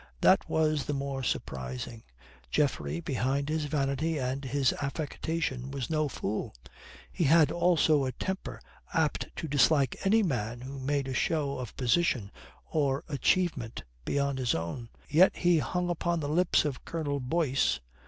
That was the more surprising. Geoffrey, behind his vanity and his affectation, was no fool. He had also a temper apt to dislike any man who made a show of position or achievement beyond his own. Yet he hung upon the lips of Colonel Boyce.